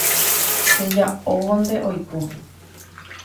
cheja'óvonte oiko